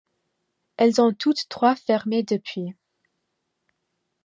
Elles ont toutes trois fermés depuis.